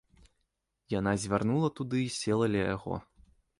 Яна звярнула туды і села ля яго.